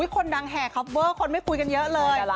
คนดังแห่คอปเวอร์คนไม่คุยกันเยอะเลย